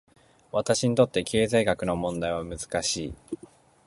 私にとって、経済学の問題は難しい。